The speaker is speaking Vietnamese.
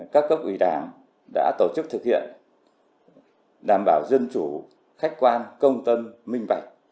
các cấp ủy đảng đã tổ chức thực hiện đảm bảo dân chủ khách quan công tân minh vạch